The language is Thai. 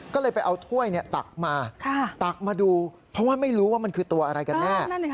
ก็เลยไปเอาถ้วยตักมาตักมาดูเพราะว่าไม่รู้ว่ามันคือตัวอะไรกันแน่